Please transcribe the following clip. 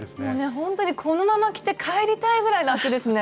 ほんとにこのまま着て帰りたいぐらい楽ですね。